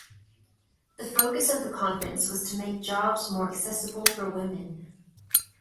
The focus of the conference was to make jobs more accessible for women.